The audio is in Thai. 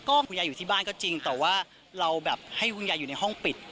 ก็คุณยายอยู่ที่บ้านก็จริงแต่ว่าเราแบบให้คุณยายอยู่ในห้องปิด